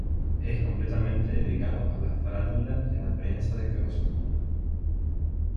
Es completamente dedicado a la farándula y a la prensa de corazón.